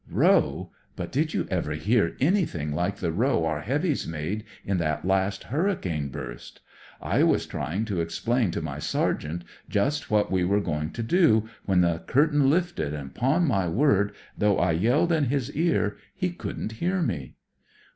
"Row! But did you ever hear any thing like the row our heavies made in that last hurricane burst ? I was trying Ml mmmmm 78 THE DEVIL'S WOOD to explain to my sergeant just what we were going to do, when the curtain lifted, and, 'pon my word, though I yelled in his ear, he couldn't hear me."